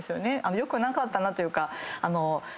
良くなかったなというか。